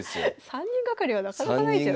３人がかりはなかなかないですよね。